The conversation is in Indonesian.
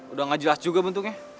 udah gak jelas juga bentuknya